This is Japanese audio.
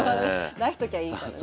出しときゃいいからね。